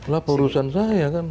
ya tidak lah laporan urusan saya kan